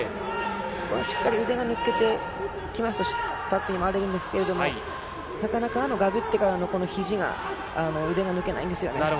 しっかり腕が抜けてきますとバックに回れるんですけど、なかなかがぶってからの肘が腕が抜けないんですよね。